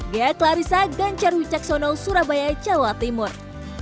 gaya clarissa dan cerwi caksono surabaya jawa timur